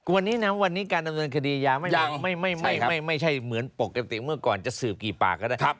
วันนี้นะวันนี้การดำเนินคดียาไม่ใช่เหมือนปกติเมื่อก่อนจะสืบกี่ปากก็ได้